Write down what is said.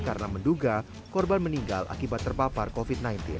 karena menduga korban meninggal akibat terpapar covid sembilan belas